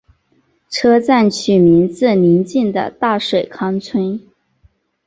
车站取名自邻近的大水坑村。